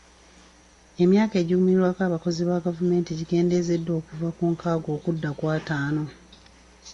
Emyaka egiwummulirwako abakozi ba gavumenti gikendeezeddwa okuva ku nkaaga okudda ku ataano.